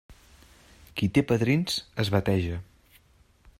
Qui té padrins, es bateja.